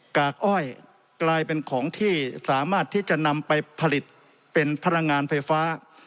กากอ้อยกลายเป็นของที่สามารถที่จะนำไปผลิตเป็นพลังงานไฟฟ้า